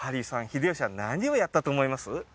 秀吉は何をやったと思います？